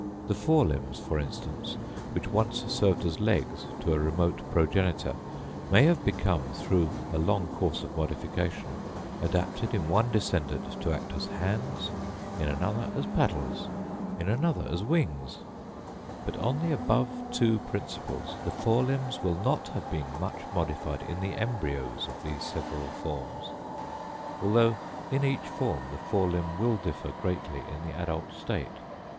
The fore limbs, for instance, which once served as legs to a remote progenitor, may have become, through a long course of modification, adapted in one descendant to act as hands, in another as paddles, in another as wings; but on the above two principles the fore limbs will not have been much modified in the embryos of these several forms; although in each form the fore limb will differ greatly in the adult state.